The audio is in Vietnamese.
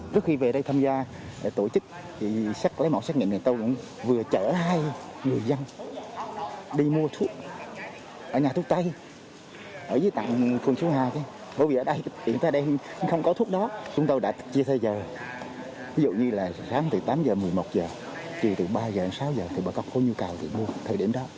sáng từ tám h một mươi một h chiều từ ba h sáu h thì bà có khối nhu cầu thì mua thời điểm đó